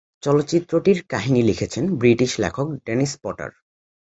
চলচ্চিত্রটির কাহিনী লিখেছেন ব্রিটিশ লেখক ডেনিস পটার।